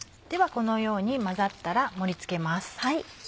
このように混ざったら盛り付けます。